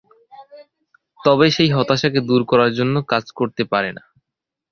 তবে সেই হতাশাকে দূর করার জন্য কাজ করতে পারে না।